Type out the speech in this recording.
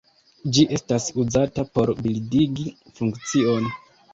Ĝi estas uzata por bildigi funkcion.